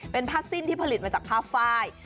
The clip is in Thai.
เป็นผ้าสิ้นที่ผลิตมาจากผ้าไฟ